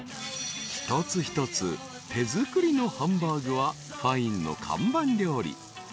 ［一つ一つ手作りのハンバーグはＦＩＮＥの看板料理］